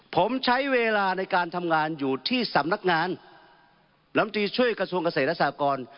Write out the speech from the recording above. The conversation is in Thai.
ผมใช้เวลาในการทำงานอยู่ที่สำนักงานลำตีช่วยกระทรวงเกษตรและสากร